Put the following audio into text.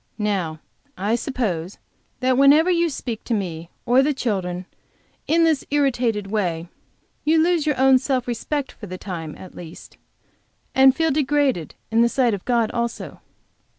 Now, I suppose that whenever you speak to me or the children in this irritated way you lose your own self respect, for the time, at least, and feel degraded in the sight of God also."